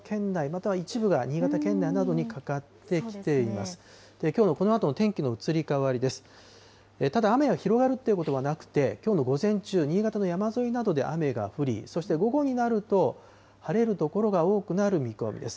ただ雨は広がるということはなくて、きょうの午前中、新潟の山沿いなどで雨が降り、そして午後になると、晴れる所が多くなる見込みです。